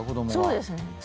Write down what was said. そうですね。